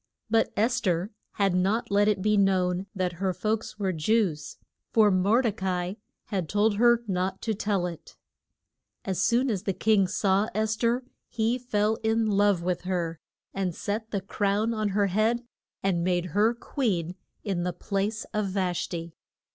But Es ther had not let it be known that her folks were Jews, for Mor de ca i had told her not to tell it. [Illustration: ES THER AND THE KING.] As soon as the king saw Es ther he fell in love with her, and set the crown on her head, and made her queen in the place of Vash ti.